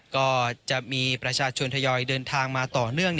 ก็จะมีประชาชนทยอยเดินทางมาต่อเนื่อง